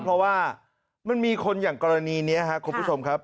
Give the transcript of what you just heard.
เพราะว่ามันมีคนอย่างกรณีนี้ครับคุณผู้ชมครับ